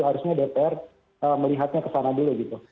harusnya dpr melihatnya kesana dulu gitu